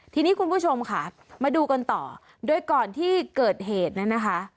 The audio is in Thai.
ทีนี้คุณผู้ชมค่ะมาดูกันต่อโดยก่อนที่เกิดเหตุนั้นนะคะ